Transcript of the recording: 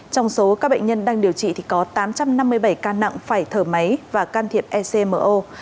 trong số các bệnh nhân đang điều trị thì có tám trăm năm mươi bảy ca nặng phải thở máy và can thiệp ecmo